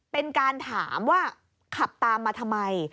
เป็นการถามว่าขับตามมาทำไม